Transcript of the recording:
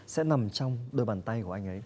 sẽ nằm trong đôi bàn tay của anh ấy